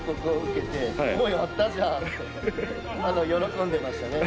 喜んでましたね